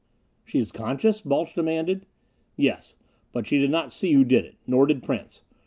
"She is conscious?" Balch demanded. "Yes. But she did not see who did it. Nor did Prince.